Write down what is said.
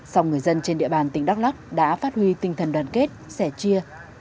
song người dân trên địa bàn tỉnh đắk lắc đã phát huy tinh thần đoàn kết sẻ chia